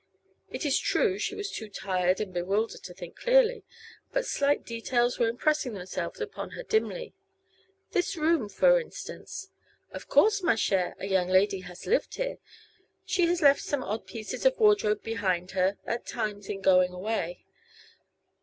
It is true she was too tired and bewildered to think clearly, but slight details were impressing themselves upon her dimly. "This room, for instance " "Of course, ma chere, a young lady has lived here. She has left some odd pieces of wardrobe behind her, at times, in going away.